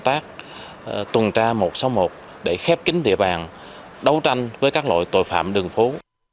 tác tuần tra một trăm sáu mươi một để khép kín địa bàn đấu tranh với các loại tội phạm đường phố